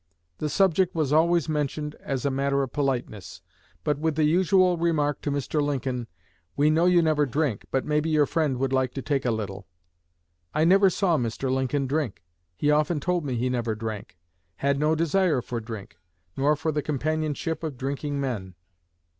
The subject was always mentioned as a matter of politeness, but with the usual remark to Mr. Lincoln, 'We know you never drink, but maybe your friend would like to take a little.' I never saw Mr. Lincoln drink. He often told me he never drank; had no desire for drink, nor for the companionship of drinking men."